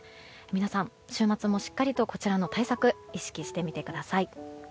皆さん、週末もしっかりとこちらの対策を意識してみてください。